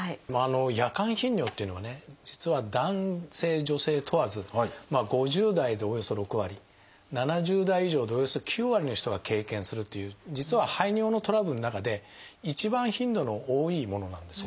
夜間頻尿というのはね実は男性女性問わず５０代でおよそ６割７０代以上でおよそ９割の人が経験するという実は排尿のトラブルの中で一番頻度の多いものなんですよ。